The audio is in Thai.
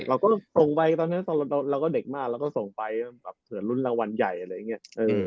เราก็ส่งไปตอนนั้นเราก็เด็กมากเราก็ส่งไปแบบเผื่อลุ้นรางวัลใหญ่อะไรอย่างนี้